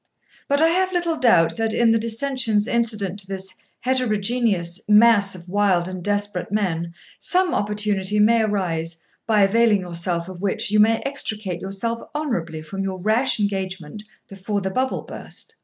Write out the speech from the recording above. But I have little doubt that, in the dissensions incident to this heterogeneous mass of wild and desperate men, some opportunity may arise, by availing yourself of which you may extricate yourself honourably from your rash engagement before the bubble burst.